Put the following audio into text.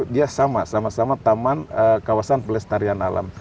dia sama sama taman kawasan pelestarian alam